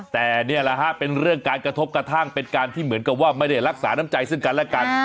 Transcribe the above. แต่นี่แหละฮะเป็นเรื่องการกระทบกระทั่งเป็นการที่เหมือนกับว่าไม่ได้รักษาน้ำใจซึ่งกันและกัน